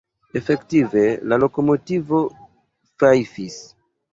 Efektive la lokomotivo fajfis.